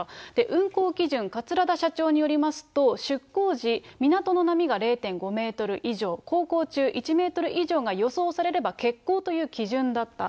運航基準、桂田社長によりますと、出航時、港の波が０．５メートル以上、航行中１メートル以上が予想されれば欠航という基準だった。